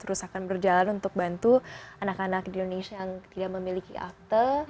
terus akan berjalan untuk bantu anak anak di indonesia yang tidak memiliki akte